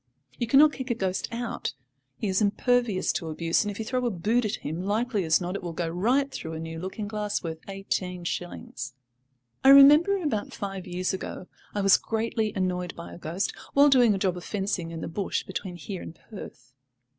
You cannot kick a ghost out; he is impervious to abuse, and if you throw a boot at him, likely as not it will go right through a new looking glass worth eighteen shillings. I remember, about five years ago, I was greatly annoyed by a ghost, while doing a job of fencing in the bush between here and Perth.